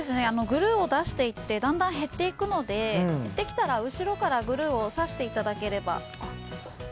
グルーを出していってだんだん減っていくので減ってきたら後ろからグルーを差していただければ。